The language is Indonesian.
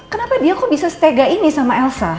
kenapa dia kok bisa stega ini sama elsa